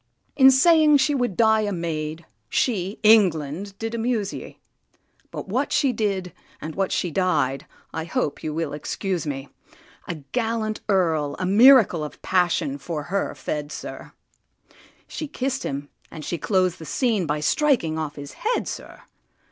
In saying she would die a maid, she, England! did amuse ye. But what she did, and what she died—I hope you will excuse me: A gallant Earl a miracle of passion for her fed, sir; She kiss'd him, and she clos'd the scene by striking off his head, sir!